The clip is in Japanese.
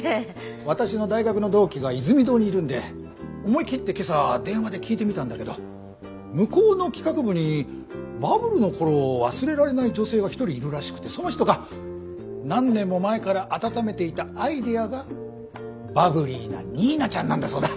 私の大学の同期がイズミ堂にいるんで思い切って今朝電話で聞いてみたんだけど向こうの企画部にバブルの頃を忘れられない女性が一人いるらしくてその人が何年も前から温めていたアイデアがバブリーなニーナちゃんなんだそうだ。